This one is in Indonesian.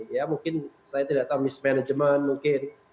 ya mungkin saya tidak tahu mismanagement mungkin